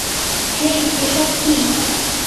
হেই, এসব কী?